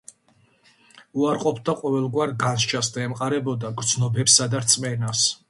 უარყოფდა ყოველგვარ განსჯას და ემყარებოდა გრძნობებსა და რწმენას.